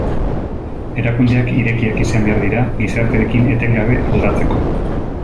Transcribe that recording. Erakundeak irekiak izan behar dira gizartearekin etengabe aldatzeko.